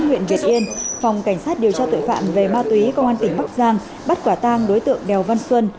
huyện việt yên phòng cảnh sát điều tra tội phạm về ma túy công an tỉnh bắc giang bắt quả tang đối tượng đèo văn xuân